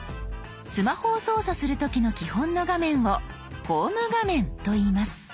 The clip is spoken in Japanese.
スマホを操作する時の基本の画面をホーム画面といいます。